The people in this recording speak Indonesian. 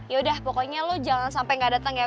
yaudah pokoknya lo jangan sampai nggak datang ya